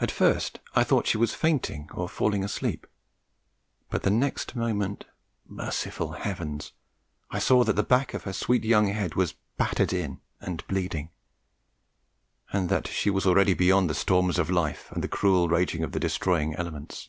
At first I thought she was fainting or falling asleep, but the next moment merciful Heavens! I saw that the back of her sweet young head was battered in and bleeding, and that she was already beyond the storms of life and the cruel raging of the destroying elements.